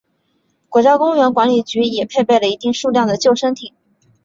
国家公园管理局也配备了一定数量的救生艇。